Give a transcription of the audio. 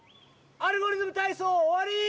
「アルゴリズムたいそう」おわり！